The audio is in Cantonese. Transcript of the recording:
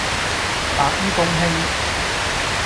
白衣公卿